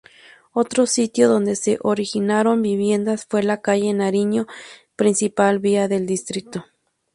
Otro sitio donde se originaron viviendas fue la "Calle Nariño", principal vía del distrito.